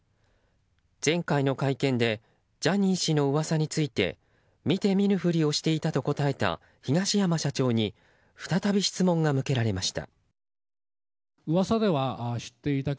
前回の会見でジャニー氏の噂について見て見ぬふりをしていたと答えた東山社長に再び質問が向けられました。